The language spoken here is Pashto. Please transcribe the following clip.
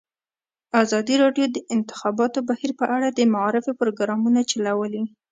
ازادي راډیو د د انتخاباتو بهیر په اړه د معارفې پروګرامونه چلولي.